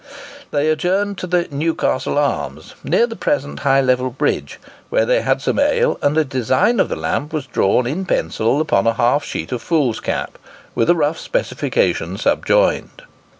They adjourned to the "Newcastle Arms," near the present High Level Bridge, where they had some ale, and a design of the lamp was drawn in pencil upon a half sheet of foolscap, with a rough specification subjoined.